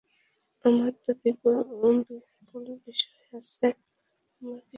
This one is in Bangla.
আমার তো বিপুল বিষয় আছে, আমার কিসের অভাব।